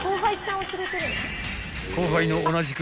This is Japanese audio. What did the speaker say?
［後輩の同じく］